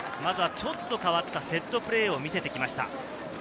ちょっと変わったセットプレーを見せてきました。